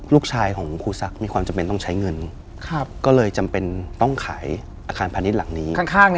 ลูกชายของครูศักดิ์มีความจำเป็นต้องใช้เงินก็เลยจำเป็นต้องขายอาคารพาณิชย์หลังนี้